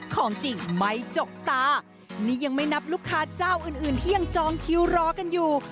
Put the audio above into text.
ของจริงไม่จกตานี่ยังไม่นับลูกค้าเจ้าอื่นอื่นที่ยังจองคิวรอกันอยู่